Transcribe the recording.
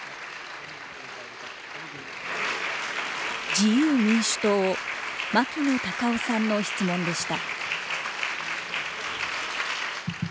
自由民主党、牧野たかおさんの質問でした。